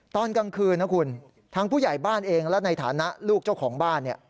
ตอนกลางคืนนะคุณทางผู้ใหญ่บ้านเองและในฐานะลูกเจ้าของบ้านเนี่ย